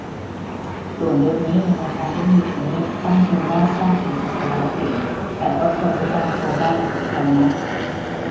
ส่วนเว็บนี่ ในทางเทคนิคนี่ต้องชมว่าสร้างแข่งกับเวลาเก่ง แต่ก็ควรวิจารณ์โฟลวได้เหมือนกันนะ